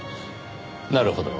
なるほど。